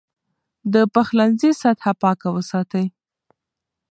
د پخلنځي سطحه پاکه وساتئ.